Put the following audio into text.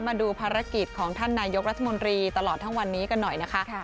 มาดูภารกิจของท่านนายกรัฐมนตรีตลอดทั้งวันนี้กันหน่อยนะคะ